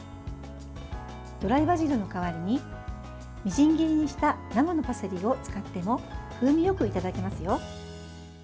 ドライバジルの代わりにみじん切りにした生のパセリを使っても風味よくいただけますよ。